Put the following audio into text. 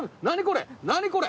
何これ！